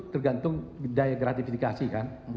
tergantung daya gratifikasi kan